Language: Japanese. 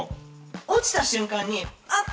落ちた瞬間に、あっ！